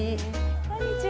こんにちは。